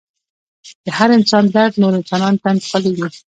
د هر انسان درد نورو انسانانو ته انتقالیږي.